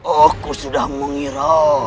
aku sudah mengira